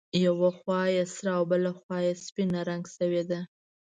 یوه خوا یې سره او بله خوا یې سپینه رنګ شوې ده.